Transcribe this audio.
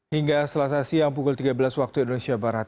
hingga selasa siang pukul tiga belas waktu indonesia barat